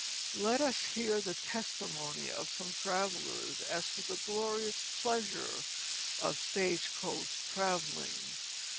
Let us hear the testimony of some travellers as to the glorious pleasure of stage coach travelling.